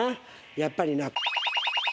やっぱりな。